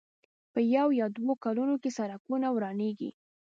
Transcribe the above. په يو يا دوو کلونو کې سړکونه ورانېږي.